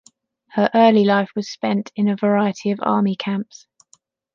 Her early life was spent in a variety of Army camps.